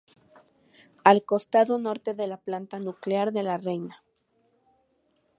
Al costado norte de la planta nuclear de la Reina.